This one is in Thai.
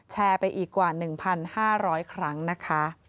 แชร์ไปอีกกว่า๑๕๐๐ครั้งนะคะ